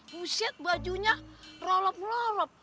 buset bajunya rolop rolop